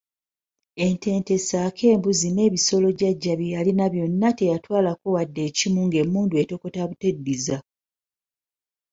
Ente nte ssaako embuzi n'ebisolo jjajja bye yalina byonna teyatwalako wadde ekimu ng'emmundu etokota buteddiza.